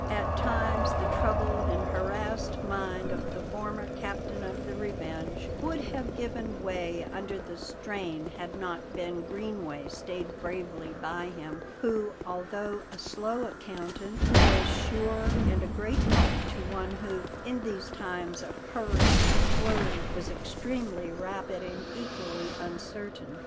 At times the troubled and harassed mind of the former captain of the Revenge would have given way under the strain had not Ben Greenway stayed bravely by him; who, although a slow accountant, was sure, and a great help to one who, in these times of hurry and flurry, was extremely rapid and equally uncertain.